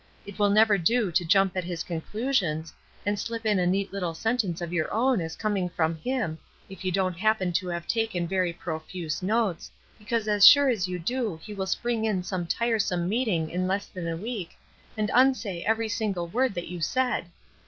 It will never do to jump at his conclusions, and slip in a neat little sentence of your own as coming from him if you don't happen to have taken very profuse notes, because as sure as you do he will spring up in some tiresome meeting in less than a week and unsay every single word that you said.